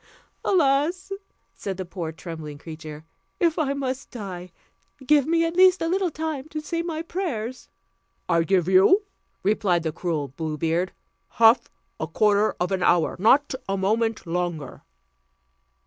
"Alas!" said the poor trembling creature, "if I must die, give me, as least, a little time to say my prayers." "I give you," replied the cruel Blue Beard, "half a quarter of an hour: not a moment longer."